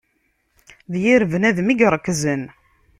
D yir bnadem i iṛekzen.